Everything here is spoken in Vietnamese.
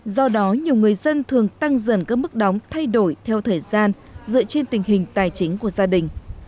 do đó nhiều người dân thường tăng dần các mức đóng thay đổi theo thời gian dựa trên tình hình tài chính của gia đình